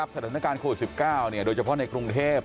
สถานการณ์โควิด๑๙โดยเฉพาะในกรุงเทพ